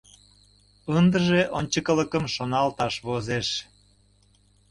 Ындыже ончыкылыкым шоналташ возеш.